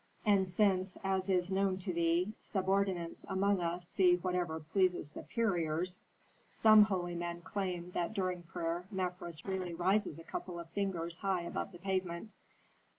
And since, as is known to thee, subordinates among us see whatever pleases superiors, some holy men claim that during prayer Mefres really rises a couple of fingers high above the pavement."